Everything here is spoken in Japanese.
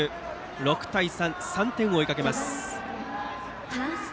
６対３、３点を追いかけます。